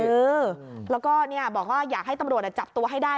เออแล้วก็บอกว่าอยากให้ตำรวจจับตัวให้ได้